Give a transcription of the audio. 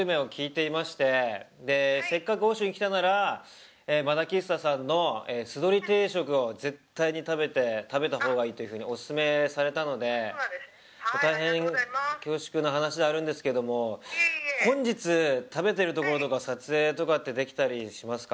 あのまだ来すたさんの酢どり定食を絶対に食べたほうがいいというふうにオススメされたので大変恐縮な話ではあるんですけども本日食べてるところとか撮影とかってできたりしますか？